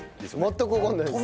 全くわかんないです。